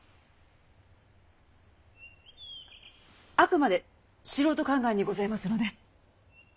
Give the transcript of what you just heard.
ああくまで素人考えにございますので。